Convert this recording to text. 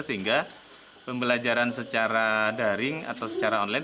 sehingga pembelajaran secara daring atau secara online